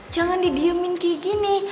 jangan didiemin kayak gini